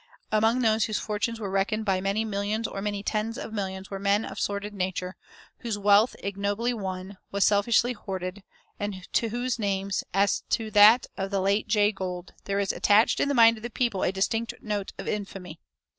[359:3] Among those whose fortunes were reckoned by many millions or many tens of millions were men of sordid nature, whose wealth, ignobly won, was selfishly hoarded, and to whose names, as to that of the late Jay Gould, there is attached in the mind of the people a distinct note of infamy.